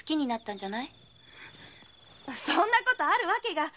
そんなことあるわけが。